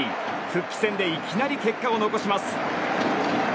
復帰戦でいきなり結果を残します。